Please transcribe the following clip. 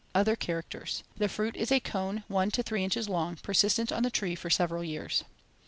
Other characters: The fruit is a cone one to three inches long, persistent on the tree for several years.